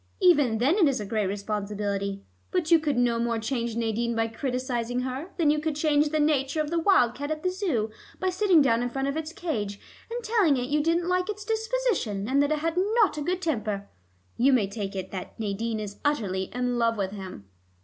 Even then it is a great responsibility. But you could no more change Nadine by criticizing her, than you could change the nature of the wildcat at the Zoo by sitting down in front of its cage, and telling it you didn't like its disposition, and that it had not a good temper. You may take it that Nadine is utterly in love with him."